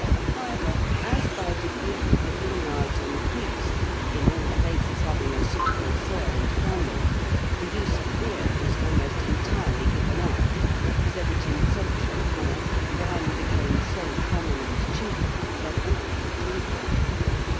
However, as by degrees the vineyards increased in all places having a suitable soil and climate, the use of beer was almost entirely given up, so that in central Gaul wine became so common and cheap that all could drink it.